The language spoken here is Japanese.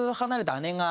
姉が？